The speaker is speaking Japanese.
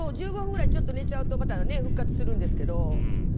１５分くらいちょっと寝ちゃうとまた復活するんですけど。